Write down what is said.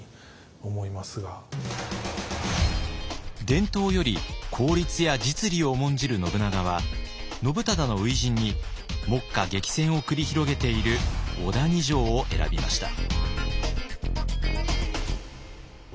伝統より効率や実利を重んじる信長は信忠の初陣に目下激戦を繰り広げている小谷城を選びました。